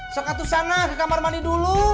sekatu sana ke kamar mandi dulu